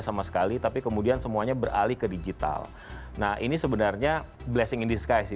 sama sekali tapi kemudian semuanya beralih ke digital nah ini sebenarnya blessing in disguise